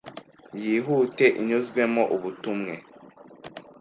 yihute inyuzwemo ubutumwe,